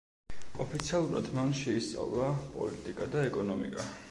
ოფიციალურად მან შეისწავლა პოლიტიკა და ეკონომიკა.